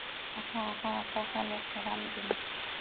আহ, আহ, এটা হলো চরম জিনিস।